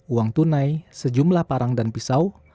uang tunai sejumlah parang dan pisau